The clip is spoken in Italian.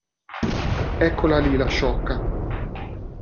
Eccola lì la sciocca!